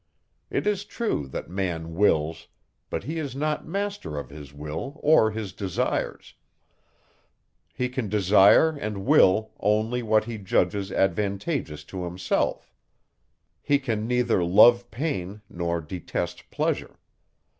It is true, that man wills, but he is not master of his will or his desires; he can desire and will only what he judges advantageous to himself; he can neither love pain, nor detest pleasure.